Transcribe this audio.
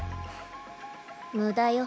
無駄よ。